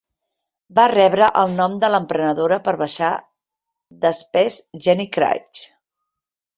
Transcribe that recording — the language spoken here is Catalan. Va rebre el nom de l'emprenedora per baixar de pes Jenny Craig.